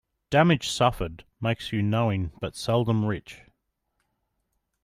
Damage suffered makes you knowing, but seldom rich.